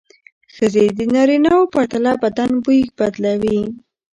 ښځې د نارینه وو پرتله بدن بوی بدلوي.